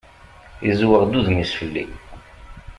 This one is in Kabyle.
Izzweɣ-d udem-is fell-i.